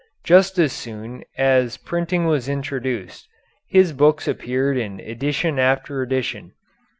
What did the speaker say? Just as soon as printing was introduced his books appeared in edition after edition.